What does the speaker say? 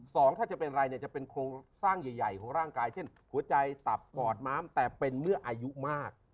สองถ้าจะเป็นไรเนี่ยจะเป็นโครงสร้างใหญ่ของร่างกายเช่นหัวใจตับกอดม้ามแต่เป็นเมื่ออายุมาก